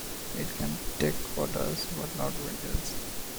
It can take photos but not videos.